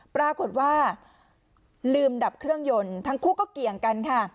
ปรากฏว่าลืมดับเครื่องยนต์ทั้งคู่ก็เกี่ยงกันค่ะ